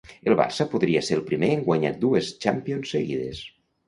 El Barça podria ser el primer en guanyar dues Champions seguides.